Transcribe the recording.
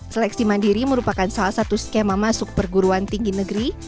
seleksi mandiri merupakan salah satu skema masuk perguruan tinggi negeri